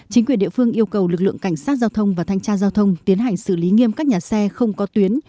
chính quyền địa phương yêu cầu lực lượng cảnh sát giao thông và thanh tra giao thông tiến hành xử lý nghiêm các nhà xe không có tuyến